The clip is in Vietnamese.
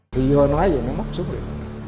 thì vô nói rồi nó móc xuống rồi